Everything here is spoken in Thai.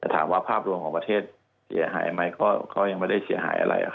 แต่ถามว่าภาพรวมของประเทศเสียหายไหมก็ยังไม่ได้เสียหายอะไร